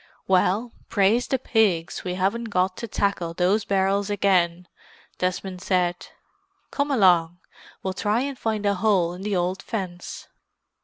"Well, praise the pigs we haven't got to tackle those barrels again!" Desmond said. "Come along—we'll try and find a hole in the old fence."